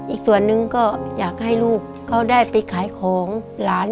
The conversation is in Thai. อีกส่วนนึงก็อยากให้ลูกเขาได้ไปขายของหลาน